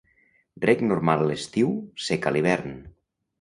Reg normal a l'estiu, sec a l'hivern.